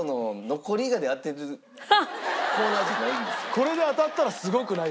これで当たったらすごくない？